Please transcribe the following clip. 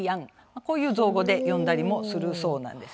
こういう造語で呼んだりもするそうなんです。